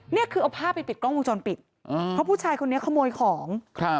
นี่คือเอาผ้าไปปิดกล้องวงจรปิดเพราะผู้ชายคนนี้ขโมยของ